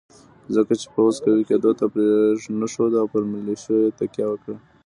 ځکه یې پوځ قوي کېدو ته پرېنښود او پر ملېشو یې تکیه وکړه.